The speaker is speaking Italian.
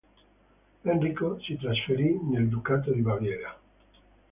Enrico si trasferì nel ducato di Baviera.